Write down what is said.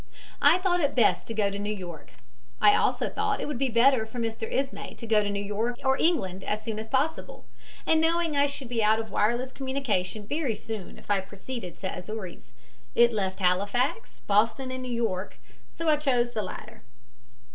I thought it best to go to New York. I also thought it would be better for Mr. Ismay to go to New York or England as soon as possible, and knowing I should be out of wireless communication very soon if I proceeded to Azores, it left Halifax, Boston and New York, so I chose the latter.